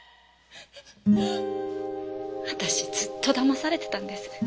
私ずっと騙されてたんです。